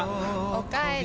おかえり。